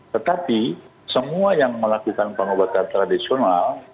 tetapi semua yang melakukan pengobatan tradisional